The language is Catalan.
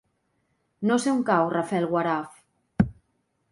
No sé on cau Rafelguaraf.